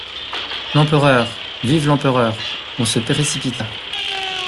L'Empereur !… vive l'Empereur !… On se précipita.